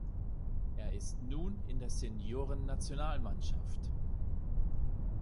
Er ist nun in der Senioren-Nationalmannschaft.